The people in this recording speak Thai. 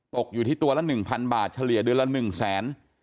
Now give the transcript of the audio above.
ตกอยู่ที่ตัวละ๑๐๐บาทเฉลี่ยเดือนละ๑แสน